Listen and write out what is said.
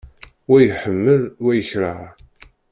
Wa iḥemmel, wa yekreh.